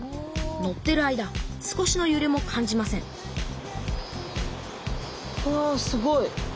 乗ってる間少しのゆれも感じませんわすごい。